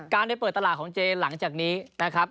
ไปเปิดตลาดของเจหลังจากนี้นะครับ